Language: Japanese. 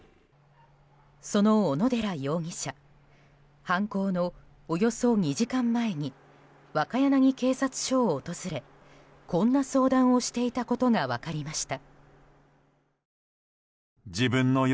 その小野寺容疑者犯行のおよそ２時間前に若柳警察署を訪れこんな相談をしていたことが分かりました。